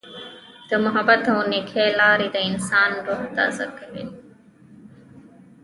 د محبت او نیکۍ لارې د انسان روح تازه کوي.